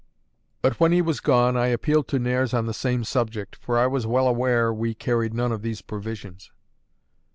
But when he was gone, I appealed to Nares on the same subject, for I was well aware we carried none of these provisions.